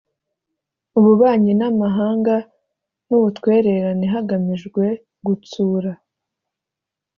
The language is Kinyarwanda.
Ububanyi n amahanga n ubutwererane hagamijwe gutsura